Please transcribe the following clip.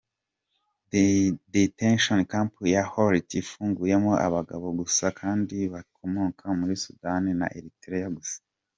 Detention camp ya Holot ifungiyemo abagabo gusa kandi bakomoka muri Sudan na Eritrea gusa.